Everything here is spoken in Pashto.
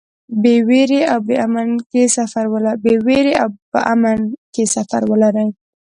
بې وېرې او په امن کې سفر ولرئ.